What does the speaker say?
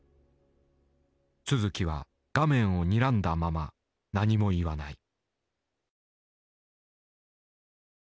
都築は画面をにらんだまま何も言わない。